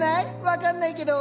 分かんないけど。